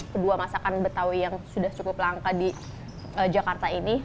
kedua masakan betawi yang sudah cukup langka di jakarta ini